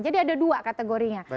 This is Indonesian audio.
jadi ada dua kategorinya